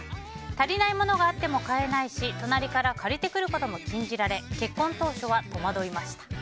足りないものがあっても買えないし隣から借りてくることも禁じられ結婚当初は戸惑いました。